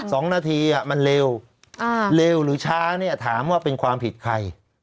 สมมติมันเร็วเร็วหรือช้าถามว่าเป็นความผิดใคร